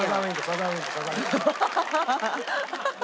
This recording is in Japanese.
ハハハハ！